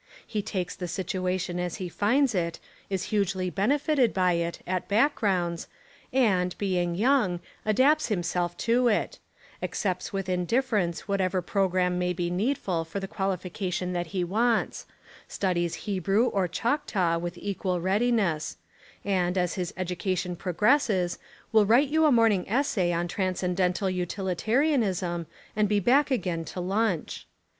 He takes the situa tion as he finds it, is hugely benefited by it at back rounds, and, being young, adapts himself to it: accepts with indifference whatever pro gramme may be needful for the qualification that he wants : studies Hebrew or Choctaw with equal readiness; and, as his education pro gresses, will write you a morning essay on tran scendental utilitarianism, and be back again to lunch.